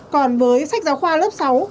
còn với sách giáo khoa lớp sáu